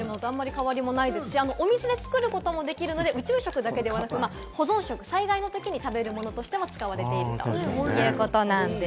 お水で作ることもできるので、宇宙食だけではなく保存食、災害のときに食べるものとしても使われているということなんです。